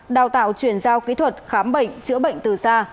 đào tạo chuyển giao kỹ thuật khám bệnh chữa bệnh từ xa